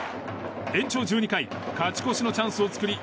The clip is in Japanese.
延長１２回勝ち越しのチャンスを作り